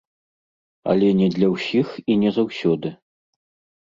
Але не для ўсіх і не заўсёды.